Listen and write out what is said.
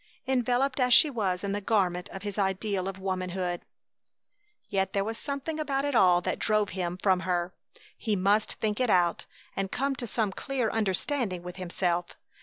enveloped as she was in the garment of his ideal of womanhood. Yet there was something about it all that drove him from her. He must think it out and come to some clear understanding with himself.